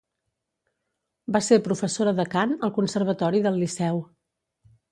Va ser professora de cant al Conservatori del Liceu.